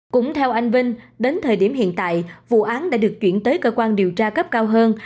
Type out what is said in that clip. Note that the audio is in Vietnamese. cũng theo anh vinh đến thời điểm hiện tại vụ án đã được chuyển tới cơ quan điều tra cấp cao hơn